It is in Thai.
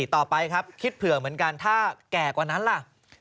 ต่อไปครับคิดเผื่อเหมือนกันถ้าแก่กว่านั้นล่ะ